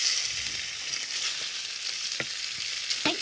はい。